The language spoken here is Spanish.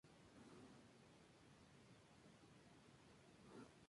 Es tío del jugador luso Ricardo Quaresma.